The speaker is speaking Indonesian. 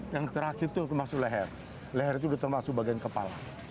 yang terakhir itu masuk ke leher leher itu masuk ke bagian kepala